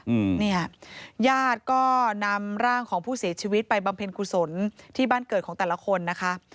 อืมเนี่ยญาติก็นำร่างของผู้เสียชีวิตไปบำเพ็ญกุศลที่บ้านเกิดของแต่ละคนนะคะ